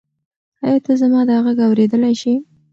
ایا ته زما دا غږ اورېدلی شې؟